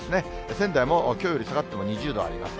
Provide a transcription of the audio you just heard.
仙台もきょうより下がっても２０度あります。